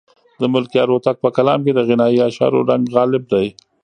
د ملکیار هوتک په کلام کې د غنایي اشعارو رنګ غالب دی.